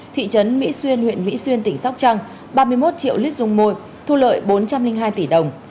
thị trấn mỹ xuyên huyện mỹ xuyên tỉnh sóc trăng ba mươi một triệu lít dung môi thu lợi bốn trăm linh hai tỷ đồng